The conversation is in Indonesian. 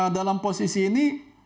dalam posisi ini